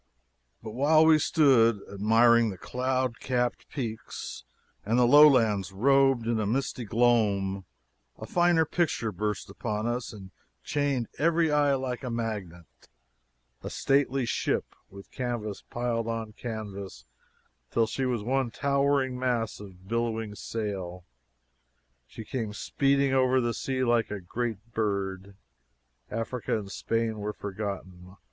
But while we stood admiring the cloud capped peaks and the lowlands robed in misty gloom a finer picture burst upon us and chained every eye like a magnet a stately ship, with canvas piled on canvas till she was one towering mass of bellying sail! She came speeding over the sea like a great bird. Africa and Spain were forgotten.